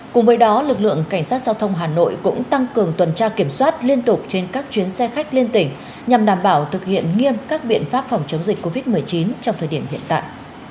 cùng với đó lực lượng cảnh sát giao thông hà nội cũng tăng cường tuần tra kiểm soát liên tục trên các chuyến xe khách liên tỉnh nhằm đảm bảo thực hiện nghiêm các biện pháp phòng chống dịch covid một mươi chín trong thời điểm hiện tại